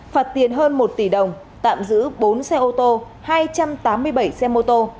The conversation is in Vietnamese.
phạt tiền hơn một tỷ đồng tạm giữ bốn xe ô tô hai trăm tám mươi bảy xe mô tô